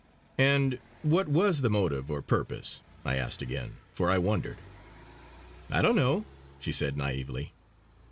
"And what was the motive or purpose?" I asked again, for I wondered. "I don't know!" she said naively.